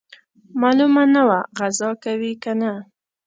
معلومه نه وه غزا کوي او کنه.